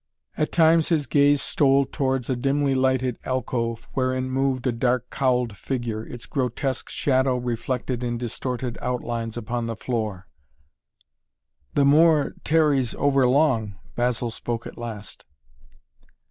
At times his gaze stole towards a dimly lighted alcove wherein moved a dark cowled figure, its grotesque shadow reflected in distorted outlines upon the floor. "The Moor tarries over long," Basil spoke at last.